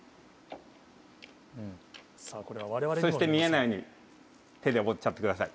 そして見えないように手で覆っちゃってください。